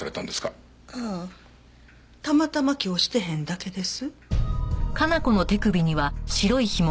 ああたまたま今日してへんだけです。